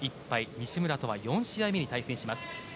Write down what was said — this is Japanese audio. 西村とは４試合目に対戦します。